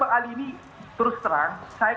bang ali ini terus terang saya